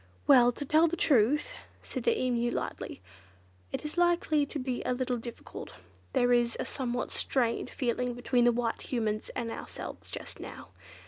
"Well, to tell the truth," said the Emu lightly, "it is likely to be a little difficult. There is a somewhat strained feeling between the White Humans and ourselves just now.